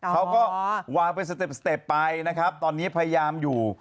เขาก็วางเป็นสเต็ปไปนะครับตอนนี้พยายามอยู่